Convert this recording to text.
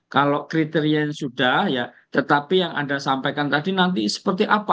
kalau kriterianya sudah ya tetapi yang anda sampaikan tadi nanti seperti apa